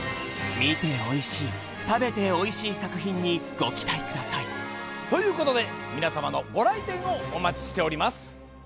みておいしい食べておいしいさくひんにごきたいくださいということでみなさまのごらいてんをおまちしております。